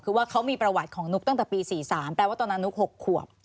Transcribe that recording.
คือว่าเขามีประวัติของนุ๊กตั้งแต่ปี๔๓แปลว่าตอนนั้นนุ๊ก๖ขวบ